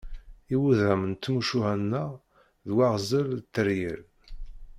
Iwudam n tmucuha-nneɣ d waɣzen d tteryel.